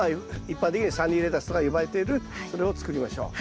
一般的にはサニーレタスとか呼ばれているそれを作りましょう。